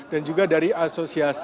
dan juga dari asosiasi periode